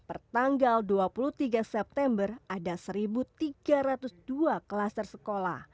pertanggal dua puluh tiga september ada satu tiga ratus dua klaster sekolah